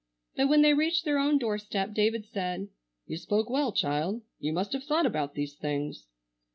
But when they reached their own doorstep David said: "You spoke well, child. You must have thought about these things."